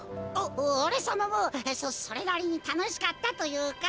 おおれさまもそそれなりにたのしかったというか。